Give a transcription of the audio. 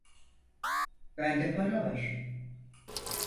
Bende para var.